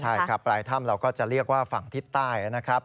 ใช่ครับปลายถ้ำเราก็จะเรียกว่าฝั่งทิศใต้นะครับ